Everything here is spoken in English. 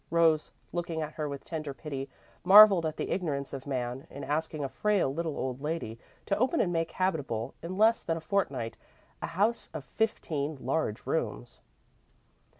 Rose, looking at her with tender pity, marvelled at the ignorance of man, in asking a frail little old lady to open and make habitable, in less than a fortnight, a house of fifteen large rooms.